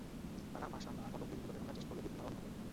তারা বাসার ফটক দিয়ে ভেতরে ঢোকার চেষ্টা করলে দুজন দারোয়ান বাধা দেন।